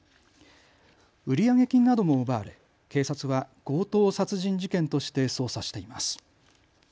売上金なども奪われ警察は強盗殺人事件として捜査しています。